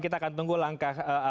kita akan tunggu langkah